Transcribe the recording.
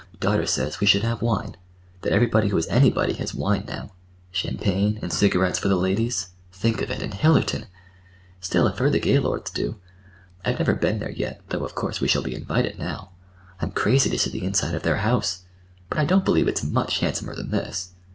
"Daughter says we should have wine; that everybody who is anybody has wine now—champagne, and cigarettes for the ladies. Think of it—in Hillerton! Still, I've heard the Gaylords do. I've never been there yet, though, of course, we shall be invited now. I'm crazy to see the inside of their house; but I don't believe it's much handsomer than this.